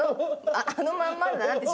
あのまんまだなって